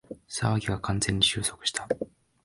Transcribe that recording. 騒ぎは完全に収束した